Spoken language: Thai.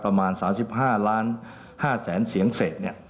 ประมาณ๓๕๕๐๐๐๐เสียงเศษ